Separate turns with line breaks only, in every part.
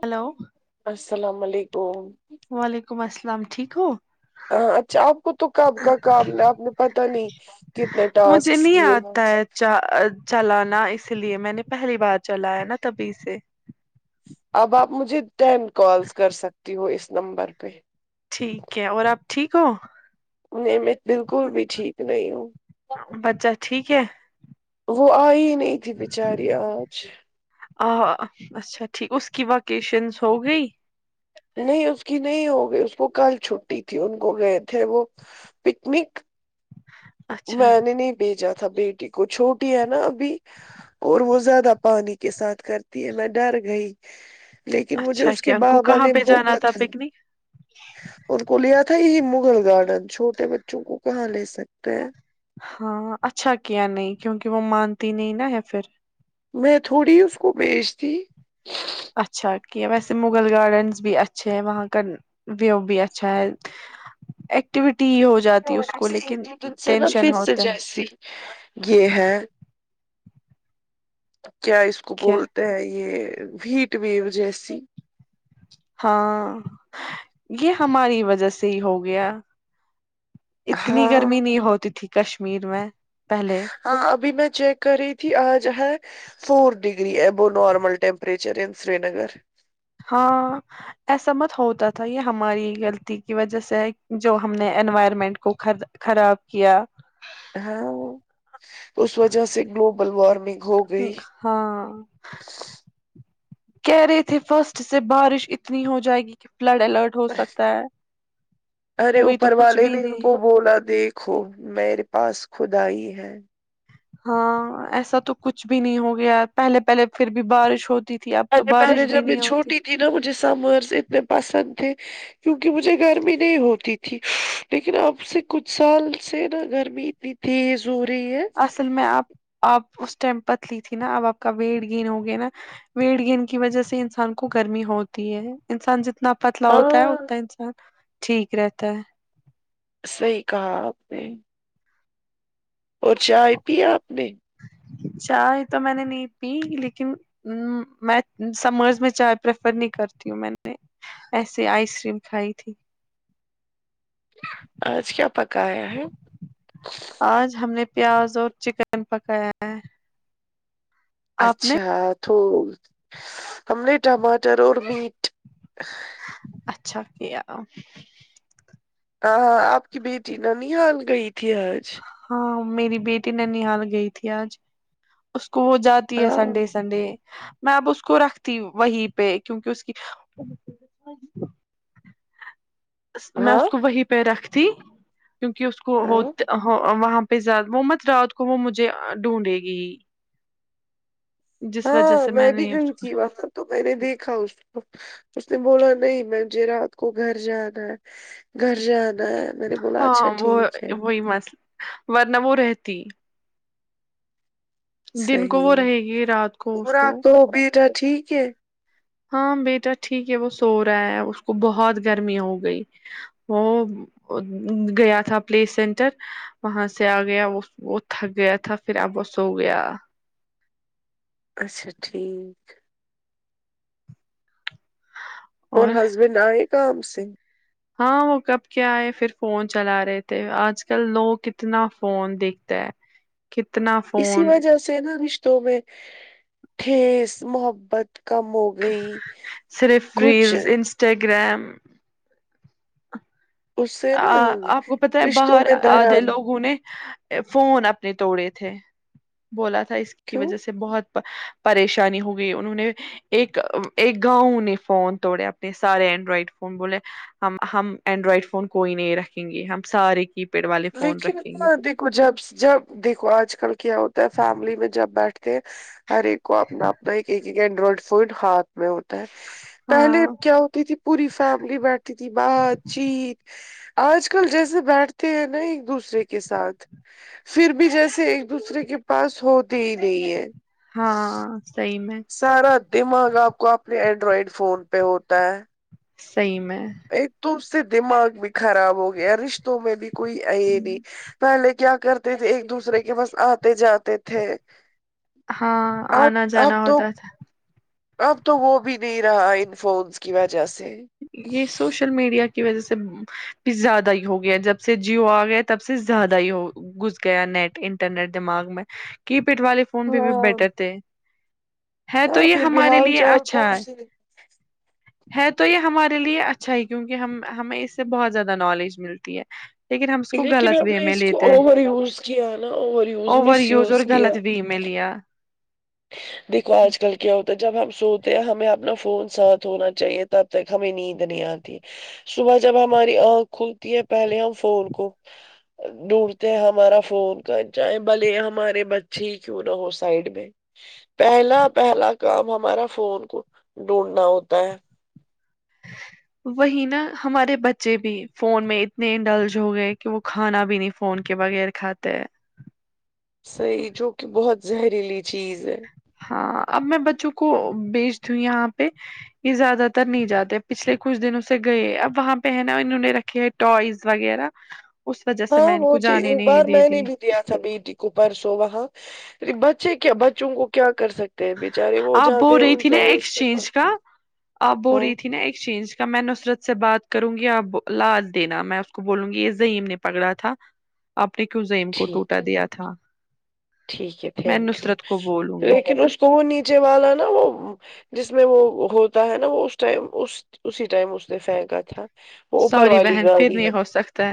Hello
السلام علیکم
وعلیکم السلام ٹھیک ہو
ہاں اچھا آپ کو تو کب کا کام آپ نے پتا نہیں کتنے ٹاسک
مجھے نہیں
کیے
آتا ہے چلانا اس لیے میں نے پہلی بار چلایا نا تبھی سے
اب آپ مجھے ٹین کالس کر سکتی ہو اس نمبر پہ
ٹھیک ہے اور آپ ٹھیک ہو
نہیں میں بالکل بھی ٹھیک نہیں ہوں
بچہ ٹھیک ہے
وہ آئی نہیں تھی بچاری آج
ا اچھا ٹھیک اس کی وکیشنس ہو گئی
نہیں اس کی نہیں ہو گئی اس کو کل چھٹی تھی ان کو گئے تھے وہ پکنک
[unintelligible]
میں نے نہیں بھیجا تھا بیٹی کو چھوٹی ہے نا ابھی اور وہ زیادہ پانی کے ساتھ کرتی ہے میں ڈر گئی لیکن مجھے
اچھا
اس کے
کیا ان کو
بابا
کہاں
نے
پہ جانا
بھوکا تھا
پکنک
ان کو لیا تھا یہ مغل گارڈن چوٹے بچوں کو کہاں لے سکتے ہیں
ہاں اچھا کیا نہیں کیونکہ وہ مانتی نہیں نا ہے پھر
میں تھوڑی اس کو بیچتی
اچھا کی ویسے مغل گارڈنس بھی اچھے ہیں وہاں کا ویو بھی اچھا ہے ایکٹیویٹی ہی ہو جاتی ہے اس کو لیکن
دن سے نا
ٹینشن
پھر سے
ہوتا ہے
جیسی یہ ہے کیا اس کو
کیا
بولتے ہیں یہ ہیٹ ویو جیسی
ہاں یہ ہماری وجہ سے ہی ہو گیا اتنی
ہاں
گرمی نہیں ہوتی تھی کشمیر میں پہلے
ہاں ابھی میں چیک کر رہی تھی آج ہے فور ڈگری ابو normal temperature in Srinagar
ہاں ایسا مت ہوتا تھا یہ ہماری غلطی کی وجہ سے جو ہم نے انوائرمنٹ کو خراب کیا
ہاں اس وجہ سے گلوبل وارمنگ ہوگی
ہاں کہہ رہے تھے فرسٹ سے بارش اتنی ہو جائے گی کہ فلڈ الرٹ ہو سکتا ہے
ارے
ہوئی تو
اوپر
کچھ
والے
بھی
نے ان
نہیں
کو بولا دیکھ خ میرے پاس خدا ہی ہے [unintelligible]
ہاں ایسا تو کچھ بھی نہیں ہو گیا پہلے پہلے پھر بھی بارش ہوتی ہوتی تھی اب تو بارش بھی نہیں ہوتی
جنوں مجھے سمرس اتنے پسند تھے کیونکہ مجھے گرمی نہیں ہوتی تھی لیکن اب سے کچھ سال سے نا گرمی پیتھیس [unintelligible] ضروری ہے
اصل میں آپ آپ اس ٹائم پت لی تھی نا اب آپ کا ویٹ گین ہو گیا نا ویڑ گیند کی وجہ سے انسان کو گرمی ہوتی ہے انسان جتنا اتنا پتلا ہوتا ہے
ہاں
اتنا انسان ٹھیک رہتا ہے
سحی کہا آپ نے [unintelligible] اور چائے پیا آپ نے
چائے تو میں نے نہیں پی لیکن میں سمرز میں چائے پریفر نہیں کرتی ہوں میں نے ایسیے آئس کریم کھائی تھی
آج کیا پکا آیا ہے
آج ہم نے پیاز اور چکن پکایا ہے آپ نے
اچھا تو ہم نے ٹماٹر اور مٹ
اچھا کیا
ہاں آپ کی بیٹی ننحال گئی تھی آج
ہاں میری بیٹی ننحال گئی تھی آج اس کو وہ جد تی ہے
ہاں
سنڈے سنڈے میں اب اس کو رکھتی وہیں پہ کیوںکہ اس کی میں
ہاں
اس کو وہیں پہ رکھتی کیونکہ اس کو ہو
ہاں
وہاں پزاد محمد رات کو وہ مجھے ڈھونڈے گی جس وجہ
ہاں
سے
میں بھی
نے
گنتی ب [unintelligible] تو میں نے دیکھا اس کو اس نے بولا نہیں مھے رات کو گھر جانا ہے گھر جدا ہے میں نے بولا
ہاں
اچھا
وہ
ٹھیک ہے
وہی مسلہ ورنہ وہ رہتی دن کو وہ
صحیح
رہے گی رات کو اس
پا
کو
تو بیٹا ٹھیک ہے
ہاں بیٹا ٹھیک ہے وہ سو رہا ہے اس کو بہت گرمی ہو گئی وہ گیا تھا پلے سینٹر وہاں سے آ گیا وہ وہ تھک گیا تھا پھر اب سو گیا
اچھا ٹھیک اور ہسبینڈ آئے کام سگھ
ہاں وہ کب کیا آئے پھر فون چلا رہے تھے آج کل لوگ کتنا فون دکھتا ہے کتنا
اسی
فون
وجہ سے نا رشتوں میں ٹھیس محبت کم ہوگی
صرف ریلز انسٹاگرام
اس سے نا
آپ کو پت ہے
رشتوں
باہر
میں
آگے
درار
لوگوں نے فون اپنے توڑے تھے بولا تھا اس کی
کیوں
وجہ سے بہت پریشانی ہو گئی انہوں نے ایک ایک گاؤںوں نے فون توڑے اپنے سارے اینڈرائڈ فون بولولے ہم ہم اینڈرائڈ فون کوئی نہیں رکھیں گے ہم سارے کی پیڈ والے فون
لیکن
رکھیں
کو
گے
دیک جب جب دیکھو آج کل کیا ہوتا ہے فیملی میں جب بیٹھتے ہیں ہر ایک کو اپنا اپنا ایک ایک ایک اینڈرائڈ فون ہاتھ میں ہوتا ہے پہلے
ہاں
کیا ہوتی تھی پوری فیملی بیٹتی تھی بات چیت آج کل جیسے بیٹھتے ہیں نا ایک دوسرے کے ساتھ پھر بھی جیسے ایک دوسرے کے پاس ہوتے ہی نہیں ہے
ہاں سحی میں
سارا دماغ آپ کو اپنے اینڈرائڈ فون پہ ہوتا ہے
صی میں
ایک تو اس سے دماغ بھی خراب ہو گیا رشتوں میں بھی کوئی ای نہیں پہلے کیا کرتے تھے ایک دوسرے کے بس آتے جاتے تھے
ہاں
اب
آنا
اب
جانا
تو
ہوتا تھا
اب تو وہ بھی نہیں رہا ان فونس کی وجہ سے
یہ سوشل میڈیا کی وجہ سے زیادہ ہی ہو گیا جب سے جیو آ گیا تب سے زیادہ ہی ہو گھس گیا نیٹ انٹرنیٹ دماغ میں کی پیڈ والے فون بھی بھی
ہاں
بیٹر تھے ہے تو
ہاں
یہ
پھر بھی
ہمارے
حال
لیے
چال
اچھا ہے
پوچھتے رہے،
ہے تو یہ ہمارے لیے اچھا ہی کیونکہ ہم ہمیں اس سے بہت زیادہ نالج ملتی ہے لیکن ہم اس کو
لیکن
غلط
ہم
وے
نے
میں
اس کو
لیتے
اوور یوز کیا نا اوور یوز
اوور
مس
یوز اور
کیا
غلط وے میں لیا
دیکھو آج کل کیا ہوتا ہے جب ہم سوتے ہیں ہمیں اپنا فون ساتھ ہونا چاہیے تب تک ہمیں نیند نہیں آتی صبح جب ہماری آنکھ کھلتی ہے پہلے ہم فون کو ڈڈتے ہمارا فون کر چاہیں بلے ہمارے بچے ہی کیوں نہ ہو سائڈ میں پہلا پہلا کام ہمارا فون کو ڈھونڈنا ہوتا ہے
[inaudible] وہی نا ہمارے بچے بھی فون میں اتنے ڈلج ہو گئے کہ وہ کھانا بھی نہیں فون کے بغیر لکھاات
صحی جو کہ بہت زہریلی چیز ہے
ہاں اب میں بچوں کو بیچ دوں یہاں پہ یہ زیادہ تر نہیں جاتے پچھلے کچھ دن اسے گئے اب وہاں پہ ہےناا انہوں نے رکھے ہے ٹوائز وغیرہ اس وجہ سے میں
ہاں
ان کو
وہ چیز
جانے
ایک
نہیں
بار
دے
میں نے
دی
بھی دیا تھا بیٹی کو پرسو وہاں بچے کیا بچوں کو کیا کر سکتے ہیں بےچارے وہ
آپ
جاتے
بول
ہیں
رہی
ان
تھی نا
ٹوائز کے
ایکسچینج کا
پاس
آپ بول
ہاں
رہی تھی نا ایکسچینج کا میں نصرت سے بات کروں گی آپ لاال دینا میں اس کو بولوں گی یہ یم نے پکڑا تھا آپ نے کیوں زیم کو ٹوٹا
ٹھیک ہے
دیا تھا
ٹھیک ہے
میں
تھینک یو
نصرت کو بولوں گی
لیکن اس کو وہ نیچے والا نا وہ جس میں وہ ہوتا ہے نا وہ اس ٹائم اسی ٹائم اس نے پھینکا تھا وہ اوپر والی گی ہے
پ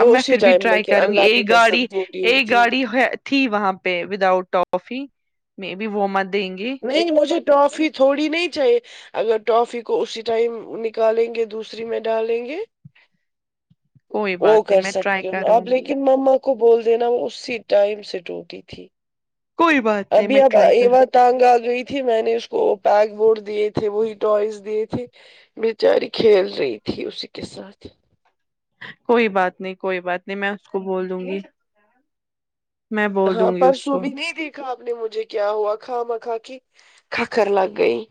اب میں
اسی
پھر بھی
ٹائم
ٹرائی
لیکن
کروں گی
اللہ
یہ
کی
گاڑی
قسم ٹوٹی ہوئی
یہ
تھی
گاڑی تھی وہاں پہ وداؤٹ ٹافی م بی وہ مت دیں گے
نہیں مجھے ٹافی تھوڑی نہیں چاہیے اگر ٹافی کو اسی ٹائم نکالیں گے دوسری میں ڈالیں گے
[inaudible] کوئی
وہ
بات نہیں
کر
میں ٹرائی
سکتی ہوں
کروں
آپ
گی
لیکن مما کو بول دینا وہ اسی ٹائم سے ٹوٹی تھی
کوئی بات نہیں
ابھی
میں
آب
ٹرائی کروں
ٹانگ آ گئی تھی میں نے اس کو پیک بورڈ دیے تھے وہی ٹوائز دیے تھے بیچاری کھیل رہی تھی اسی کے ساتھ
کوئی بات نہیں کوئی بات نہیں میں اس کو بول دوں گی میں بول
ہاں
دوں گی اس
پرسوں
کو
بھی نہیں تھی آابپ نے مجھے کیا ہوا کھا ما کھا کے کھکھر لگ گئی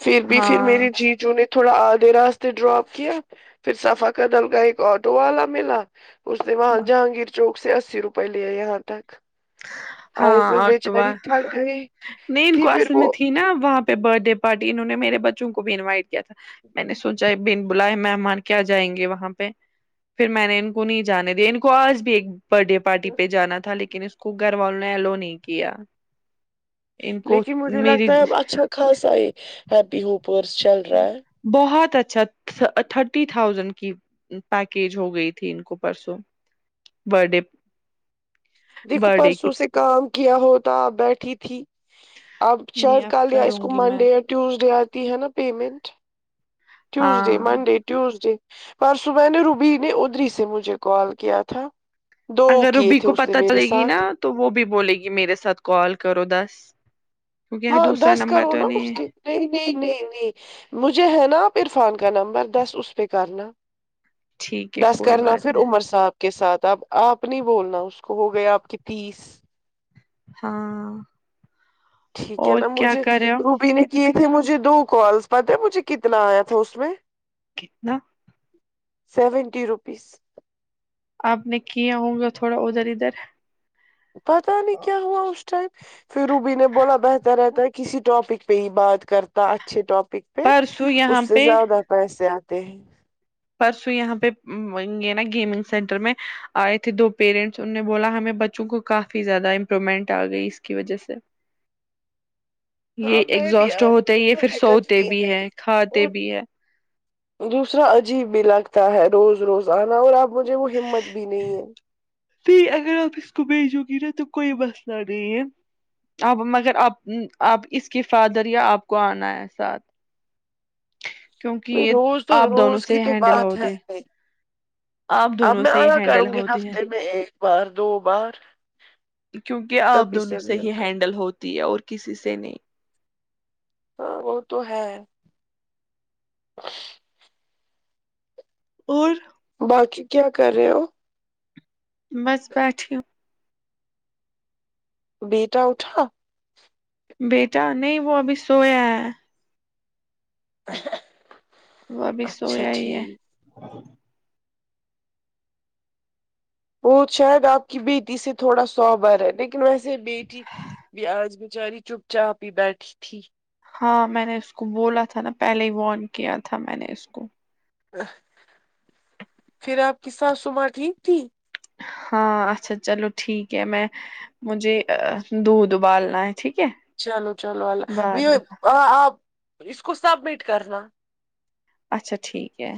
پھر بھی پھر میری
ہاں
جی جو نے تھوڑا آدھے راستے ڈراپ کیا پھر سفا کا دل کا ایک آٹو والا ملا اس نے وہاں جہانگیر چوک سے اسی روپئے لے یہاں تک
ہاں
آئزل
آٹوا
بیچاری تھک گئی
ن ان
تھی
کو
پھر
اصل میں
وہ
تھی نا وہاں پہ برت ڈے پارٹی انہوں نے میرے بچوں کو بھی انوائٹ کیا تھا میں نے سوچا ہے بن بلاائے مہمان کیا جائیں گے وہاں پہ پھر میں نے ان کو نہیں جانے دیا ان کو آج بھی ایک برتھ ڈے پارٹی پہ جانا تھا لیکن اس کو گھر والوں نے ایلو نہیں کیا ان کو
لیکن مجھے
میری
لگتا ہے اب اچھا خاصا یہ ہیپی ہوپرس چل رہا ہے
بہت اچھا تھرٹی تھاؤزینڈ کی پیکیج ہو گئی تھی ان کو پرسوں بر ڈے
دیکھو
برتھ ڈے کی
پرسوں سے کام کیا ہوتا بیٹھی تھی اب
نہیں
شاید
اب
کل یا اس
کروں
کو
گی میں
منڈے یا ٹیوزڈے آتی ہے نا پیمنٹ ٹیوزڈے
ہاں
منڈے ٹیوزڈے پر صبح نے روبی نے ادری سے مجھے کال کیا تھا دو
اگر
کیے
روبی
تھے
کو
اس نے
پتہ
میرے
چلے گی
ساتھ
نا تو وہ بھی بولے گی میرے ساتھ کال کرو دس کیونکہ یہاں
ہاں
دوسرا
دس
نمبر
کرو
تو
نا اس
نہیں
کے
ہے
نہیں نہیں نہیں نہیں مجھے ہے نا آپ عرفان کا نمبر دس اس پہ کرنا
ٹھیک ہے
دس
کوئی
کرنا
بات
پھر
نہیں
امر صاب کے ساتھ اب آپ نہیں بولنا اس کو ہو گیا آپ کی تیس
ہاں
ٹھیک ہے
اور
نا
کیا
مجھے
کر رہے ہو
روبی نے کیے تھے مجھے دو کالس پتہ مجھے کتنا آیا تھا اس میں
ک نہ
سیونٹی روپیس
آپ نے کیا ہوںگا تھوڑا ادھر ادھر
پتاہ نہیں کیا ہوا اس پھر روبی نے بولا بہتر رہتا ہے کسی ٹاپک پہ ہی بات کرتا اچھے ٹاپک
پرسوں
اس
یہاں
سے
پہ
زیادہ پیسے آتے ہیں
پرسوں یہاں پہ گ نا گیمنگ سینٹر میں آئے تھے دو پیرنٹس ان نے بولا ہمیں بچوں کو کافی زیادہ امپرومنٹ آ گئی اس کی وجہ سے یہ
ہاں میں بھی
ایگزوسٹ
آتی
ہوتا ہے
ہوں
یہ
تو
پھر
حکت
سوتے بھی ہے کھاتے
اور
بھی ہے
دوسرا عجیب بھی لگتا ہے روز روز آنا اور اب مجھے وہ ہمت بھی نہیں ہے
پھر اگر آپ اس کو بھیجو گی ن تو کوئی بس نہ نہیں ہے اب مگر آپ آپ اس کے فادر یا آپ کو آنا ہے ساتھ [unintelligible] کیونکہ یہ
روز تو
آپ دونوں
روز کی
سے
تو
ہینڈل
بات ہے
ہوتے
نہیں
آپ
اب
دونوں
میں
سے ہی
اا
ہینڈل
کروں گی
ہوتے ہیں
ہفتے میں ایک بار دو بار
کیونکہ آپ
تبھی
دونوں سے ہی
ملتا۔
ہینڈل ہوتی ہے اور کسی سے نہیں
ہاں وہ تو ہے
اور
باقی کیا کر رہے ہو
بس بیٹھوں
بیٹا اٹا
بیٹا نہیں وہ ابھی سویا ہے
[unintelligible]
وہ ابھی
اچھا
سویا ہی ہے
ٹھیک وہ شاید آپ کی بیٹی سے تھوڑا سوبار ہے نہیں لیکن ویسے بیٹی بھی آج بیچاری چپ چا پی بیٹھی تھی
ہاں میں نے اس کو بولا تھا نا پہلے ہی ون کیا تھا میں نے اس کو
پھر آپ کی ساس سمار ٹھیک تھی
ہاں اچھا چلو ٹھیک ہے میں مجھے دودھ ابالنا ہے ٹھیک ہے
چلو چلو اللہ
بعد میں
آ اس کو سبمٹ کرنا
اچھا ٹھیک ہے